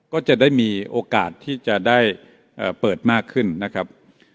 ก็จะได้มีโอกาสที่จะได้เปิดมากขึ้นนะครับ